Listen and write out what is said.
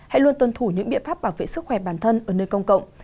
hãy luôn tuân thủ những biện pháp bảo vệ sức khỏe bản thân ở nơi công cộng